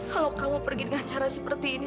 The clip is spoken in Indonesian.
kalau kamu pergi dengan cara seperti ini